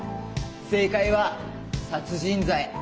正解は殺人罪。